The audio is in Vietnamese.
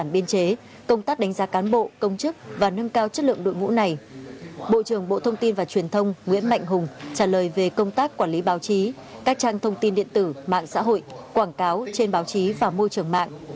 bộ trưởng bộ thông tin và truyền thông nguyễn mạnh hùng trả lời về công tác quản lý báo chí các trang thông tin điện tử mạng xã hội quảng cáo trên báo chí và môi trường mạng